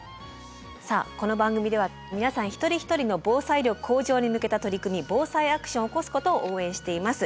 さあこの番組では皆さん一人一人の防災力向上に向けた取り組み防災アクションを起こすことを応援しています。